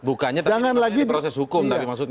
bukannya proses hukum